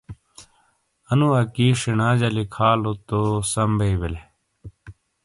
انو اکی ݜینا جا لکھا لو تو سام بئی بیلی ۔